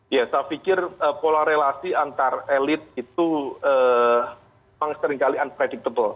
ya saya pikir pola relasi antar elit itu memang seringkali unpredictable